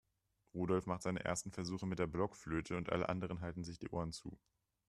Rudolf macht seine ersten Versuche mit der Blockflöte und alle anderen halten sich die Ohren zu.